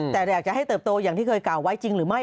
แต่อยากจะให้เติบโตอย่างที่เคยกล่าวไว้จริงหรือไม่